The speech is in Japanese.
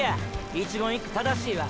一言一句正しいわ。